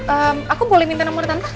ehm aku boleh minta nomor tanah